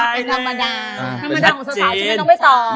เป็นธรรมดา